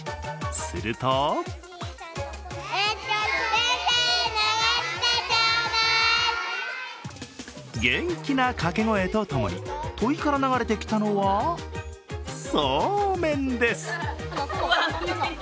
すると元気なかけ声とともにといから流れてきたのはそうめんです。